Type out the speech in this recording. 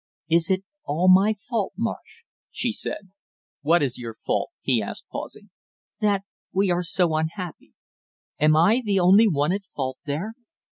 "Is it all my fault, Marsh?" she said. "What is your fault?" he asked, pausing. "That we are so unhappy; am I the only one at fault there?"